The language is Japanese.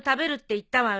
言ったわよ。